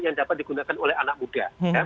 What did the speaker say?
yang dapat digunakan oleh anak muda